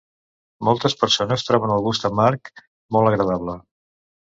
Moltes persones troben el gust amarg molt agradable.